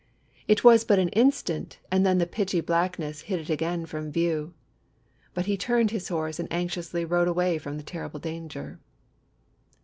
It was but an instant, and then the pitchy blackness hid it again from view. But he turned his horse and anxiously rode away from the terrible danger.